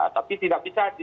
tapi tidak bisa